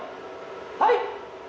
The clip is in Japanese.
はい！